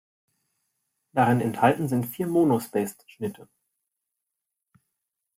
Darin enthalten sind vier Monospaced-Schnitte.